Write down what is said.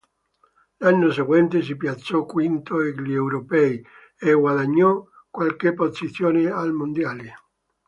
L'anno seguente si piazzò quinto agli Europei e guadagnò qualche posizione ai Mondiali.